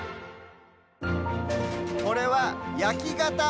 これは「やきがた」。